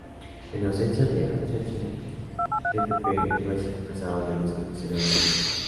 En ausencia de hh, Dpp no es expresado en el disco posterior de ojo.